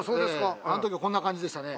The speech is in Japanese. あの時こんな感じでしたね